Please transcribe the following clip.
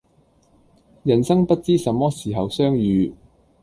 人生不知什麼時候相遇